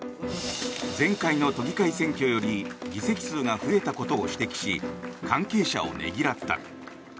前回の都議会選挙より議席数が増えたことを指摘し関係者をねぎらった。